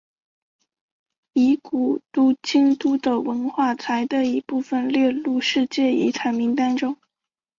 以古都京都的文化财的一部份列入世界遗产名单中。